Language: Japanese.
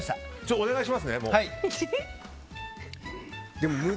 お願いしますね。